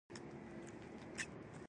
هغه بېچاره یې په تیارې کې پرېښود.